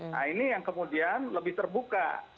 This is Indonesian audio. nah ini yang kemudian lebih terbuka